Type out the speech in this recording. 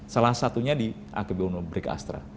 salah satunya di akebono brick astra